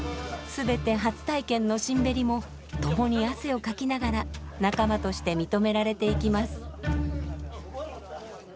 全て初体験の新縁も共に汗をかきながら仲間として認められていきます。